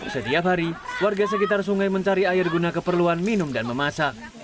setiap hari warga sekitar sungai mencari air guna keperluan minum dan memasak